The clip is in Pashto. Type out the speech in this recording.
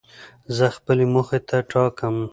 زه خپلي موخي ټاکم.